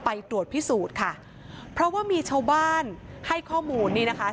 ไปตรวจสอบดู